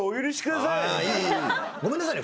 ごめんなさいね。